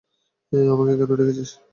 আমাকে কেন ডেকেছিস?